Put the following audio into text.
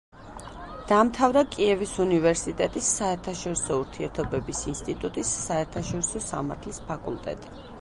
დაამთავრა კიევის უნივერსიტეტის საერთაშორისო ურთიერთობების ინსტიტუტის საერთაშორისო სამართლის ფაკულტეტი.